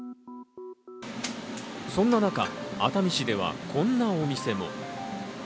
そんな中、熱海市ではこんなお店も。